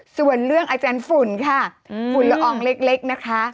ส่วนเรื่องอาจารย์ฝุ่นค่ะฝุ่นละอองเล็กนะคะ